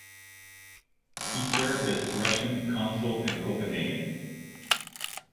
He served as Russian consul in Copenhagen.